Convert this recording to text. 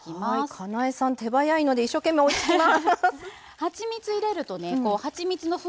かなえさん、早いので一生懸命、追いつきます。